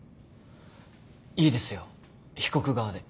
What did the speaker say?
いいですよ被告側で。